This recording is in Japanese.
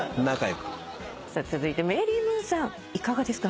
続いてメイリー・ムーさんいかがですか？